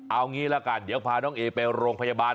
เอางี้ละกันเดี๋ยวพาน้องเอไปโรงพยาบาล